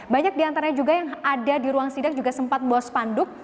banyak di antara juga yang ada di ruang sidang juga sempat membawa sepanduk